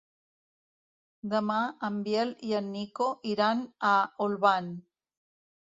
Demà en Biel i en Nico iran a Olvan.